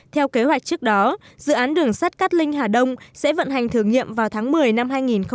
theo kế hoạch trước đó dự án đường sắt cát linh hà đông sẽ vận hành thử nghiệm vào tháng một mươi năm hai nghìn hai mươi